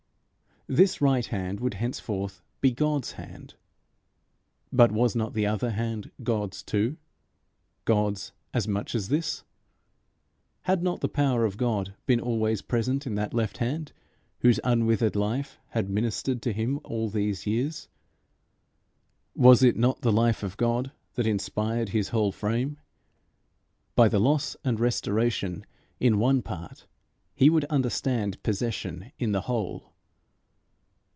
This right hand would henceforth be God's hand. But was not the other hand God's too? God's as much as this? Had not the power of God been always present in that left hand, whose unwithered life had ministered to him all these years? Was it not the life of God that inspired his whole frame? By the loss and restoration in one part, he would understand possession in the whole.